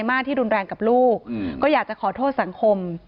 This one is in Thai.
ไม่รักลูกหรอก